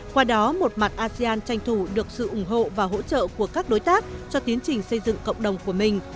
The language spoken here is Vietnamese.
qua đó một mặt asean tranh thủ được sự ủng hộ và hỗ trợ của các đối tác cho tiến trình xây dựng cộng đồng của mình